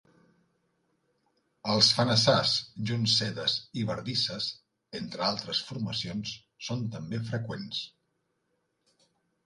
Els fenassars, joncedes i bardisses, entre altres formacions, són també freqüents.